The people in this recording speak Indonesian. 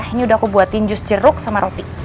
ini udah aku buatin jus jeruk sama roti